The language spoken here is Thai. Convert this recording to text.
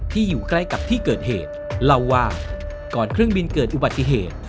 อยู่ใกล้กับที่เกิดเหตุเล่าว่าก่อนเครื่องบินเกิดอุบัติเหตุ